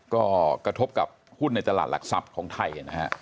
ก็กระทบกับหุ้นในตลาดหลักทรัพย์ของไทยนะฮะ